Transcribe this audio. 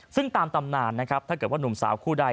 ซึ่งตามตำนานนะครับถ้าเกิดว่านุ่มสาวคู่ใด